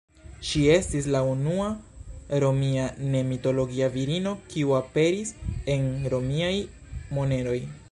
Ŝi estis la unua Romia ne-mitologia virino kiu aperis en Romiaj moneroj.